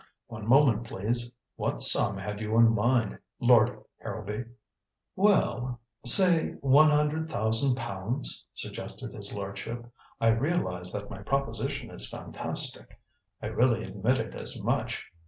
"One moment, please. What sum had you in mind, Lord Harrowby?" "Well say one hundred thousand pounds," suggested his lordship. "I realize that my proposition is fantastic. I really admitted as much.